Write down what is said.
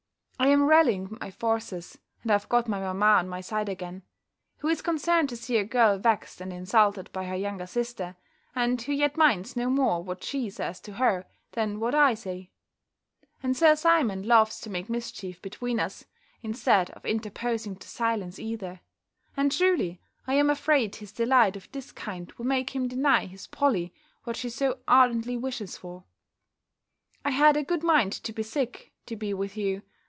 I am rallying my forces, and have got my mamma on my side again; who is concerned to see her girl vexed and insulted by her younger sister; and who yet minds no more what she says to her, than what I say; and Sir Simon loves to make mischief between us, instead of interposing to silence either: and truly, I am afraid his delight of this kind will make him deny his Polly what she so ardently wishes for. I had a good mind to be sick, to be with you.